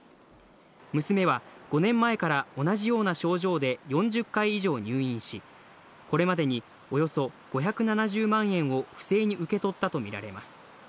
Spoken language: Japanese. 娘は５年前から同じような症状で４０回以上入院し、これまでにおよそ５７０万円を不正に受け取ったと見られます。